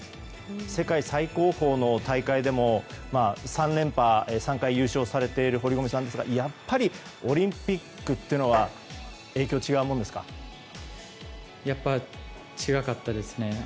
世界最高峰の大会でも３回優勝されている堀米さんですがオリンピックっていうのはやっぱり違かったですね。